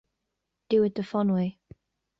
Do it the fun way.